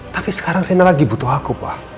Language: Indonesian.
tapi sekarang rina lagi butuh aku pak